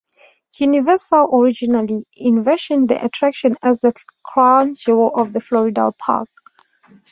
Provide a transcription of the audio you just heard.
Universal originally envisioned the attraction as the crown jewel of the Florida park.